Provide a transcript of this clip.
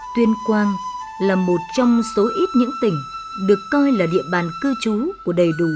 tuyên quang là một trong số ít những tỉnh được coi là địa bàn cư trú của đầy đủ